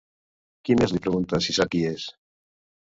Qui més li pregunta si sap qui és?